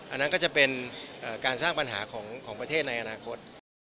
อันนั้นก็จะเป็นการสร้างปัญหาของประเทศในอนาคต